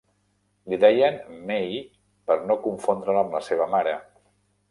Li deien "May" per no confondre-la amb la seva mare.